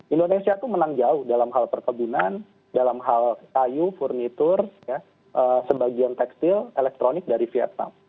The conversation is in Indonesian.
indonesia itu menang jauh dalam hal perkebunan dalam hal kayu furnitur sebagian tekstil elektronik dari vietnam